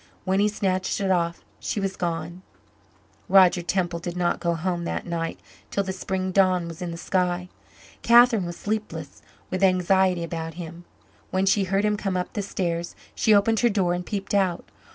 When he snatched it off, she was gone. Roger Temple did not go home that night till the spring dawn was in the sky. Catherine was sleepless with anxiety about him. When she heard him come up the stairs, she opened her door and peeped out.